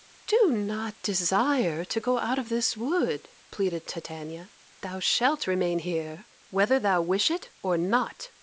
"Do not desire to go out of this wood," pleaded Titania. "Thou shalt remain here, whether thou wish it or not.